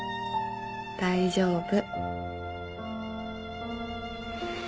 大丈夫。